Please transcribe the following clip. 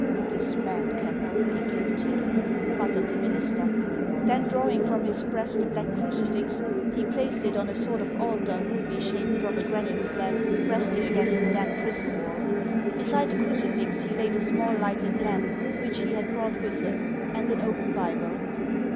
" This man cannot be guilty," muttered the minister. Then drawing from his breast a black crucifix, he placed it on a sort of altar rudely shaped from a granite slab rest ing against the damp prison wall. Beside the crucifix he laid a small lighted lamp which he had brought with him, and an open Bible.